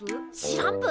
しらんぷ！？